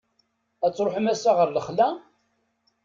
Ad truḥem ass-a ɣer lexla?